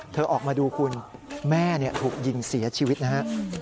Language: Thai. ออกมาดูคุณแม่ถูกยิงเสียชีวิตนะฮะ